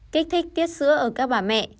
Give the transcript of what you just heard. kích thích tiết sữa ở các bà mẹ